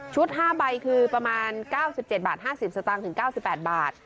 ๕ใบคือประมาณ๙๗บาท๕๐สตางค์ถึง๙๘บาท